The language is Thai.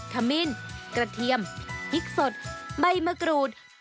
ขมิ้นกระเทียมพริกสดใบมะกรูด